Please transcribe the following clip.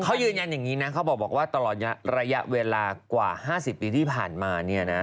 เขายืนยันอย่างนี้นะเขาบอกว่าตลอดระยะเวลากว่า๕๐ปีที่ผ่านมาเนี่ยนะ